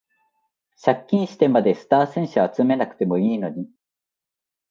借金してまでスター選手集めなくてもいいのに